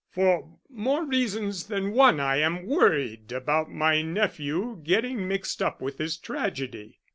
"For more reasons than one I am worried about my nephew getting mixed up with this tragedy."